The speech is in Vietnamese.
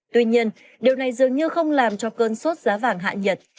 tuy nhiên điều này dường như không làm cho cơn sốt giá vàng hạ nhiệt